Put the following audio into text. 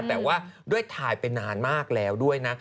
แต่ว่าด้วยถ่ายไปนานมากแล้วด้วยนะ